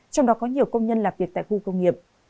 trong đó có nhiều công nhân làm việc tại khu công nghiệp